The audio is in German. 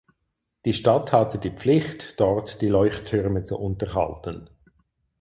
Die Stadt hatte die Pflicht dort die Leuchttürme zu unterhalten.